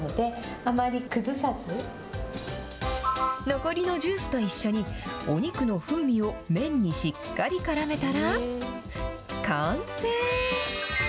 残りのジュースと一緒に、お肉の風味を麺にしっかりからめたら、完成。